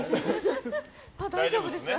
大丈夫です。